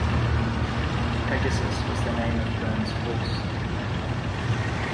Pegasus was the name of Burns' horse.